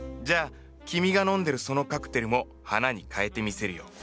じゃあ君が飲んでるそのカクテルも花に変えてみせるよ。